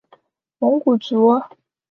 蒙古族。